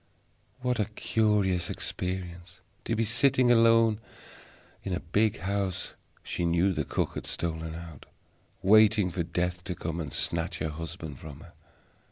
What a curious experience: to be sitting alone in a big house she knew that the cook had stolen out waiting for Death to come and snatch her husband from her.